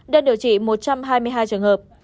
đang điều trị một trăm hai mươi hai trường hợp